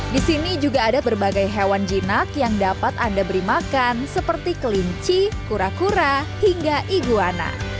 di sini juga ada berbagai hewan jinak yang dapat anda beri makan seperti kelinci kura kura hingga iguana